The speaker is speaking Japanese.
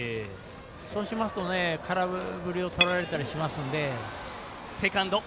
そうしますと空振りとられたりしますので。